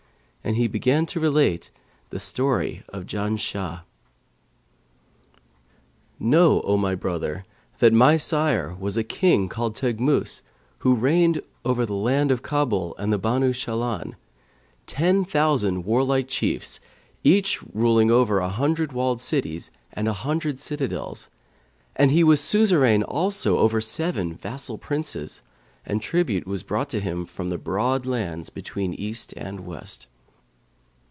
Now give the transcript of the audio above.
And he began to relate The Story of Janshah.[FN#536] 'Know, O my brother, that my sire was a King called Teghmϊs, who reigned over the land of Kabul and the Banu Shahlαn, ten thousand warlike chiefs, each ruling over an hundred walled cities and a hundred citadels; and he was suzerain also over seven vassal princes, and tribute was brought to him from the broad lands between East and West.